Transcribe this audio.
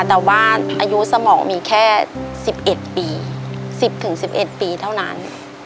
แต่ว่าอายุสมองมีแค่๑๑ปี๑๐๑๑ปีเท่านั้น